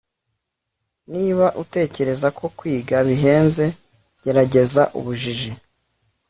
niba utekereza ko kwiga bihenze, gerageza ubujiji